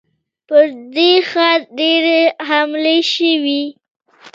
پر دې ښار ډېرې حملې شوي.